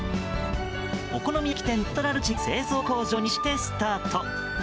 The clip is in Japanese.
お好み焼き店のセントラルキッチンを製造工場にしてスタート。